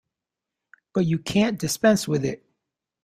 But you can't dispense with it.